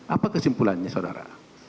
apa kesimpulannya saudara